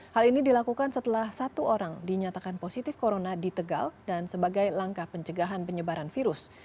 hal ini dilakukan setelah satu orang dinyatakan positif corona di tegal dan sebagai langkah pencegahan penyebaran virus